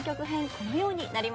このようになりました。